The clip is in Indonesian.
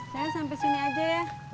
saya sampai sini aja ya